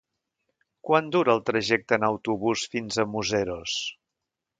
Quant dura el trajecte en autobús fins a Museros?